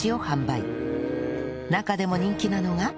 中でも人気なのが